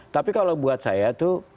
tapi kalau buat saya itu